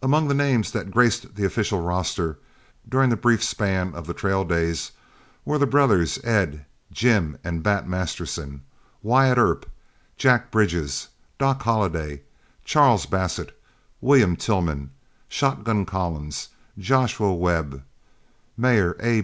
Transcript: Among the names that graced the official roster, during the brief span of the trail days, were the brothers Ed, Jim, and "Bat" Masterson, Wyatt Earp, Jack Bridges, "Doc" Holliday, Charles Bassett, William Tillman, "Shotgun" Collins, Joshua Webb, Mayor A.